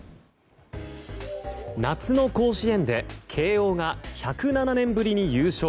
夏の甲子園で慶応が１０７年ぶりに優勝。